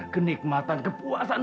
buat main perempuan